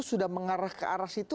sudah mengarah ke arah situ